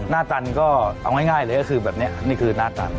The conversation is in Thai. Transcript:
ตันก็เอาง่ายเลยก็คือแบบนี้นี่คือหน้าตัน